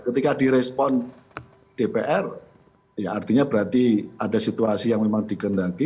ketika direspon dpr ya artinya berarti ada situasi yang memang dikendaki